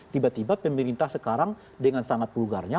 tiba tiba pemerintah sekarang dengan sangat vulgarnya